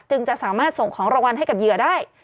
จะสามารถส่งของรางวัลให้กับเหยื่อได้